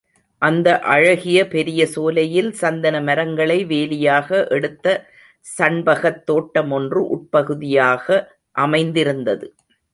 அந்த அழகிய பெரிய சோலையில் சந்தன மரங்களை வேலியாக எடுத்த சண்பகத் தோட்டமொன்று உட்பகுதியாக அமைந்திருந்தது.